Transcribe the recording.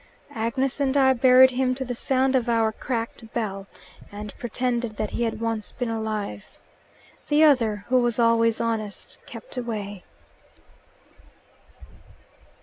Agnes and I buried him to the sound of our cracked bell, and pretended that he had once been alive. The other, who was always honest, kept away."